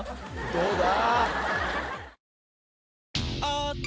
どうだ？